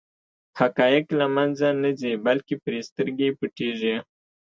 حقایق له منځه نه ځي بلکې پرې سترګې پټېږي.